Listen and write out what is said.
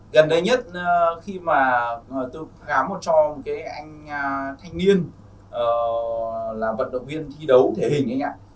gần đây nhất khi mà tôi khám một trò một cái anh thanh niên là vận động viên thi đấu thể hình ấy nhé